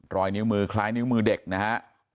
รอยนิ้วมือคล้ายนิ้วมือเด็กนะฮะ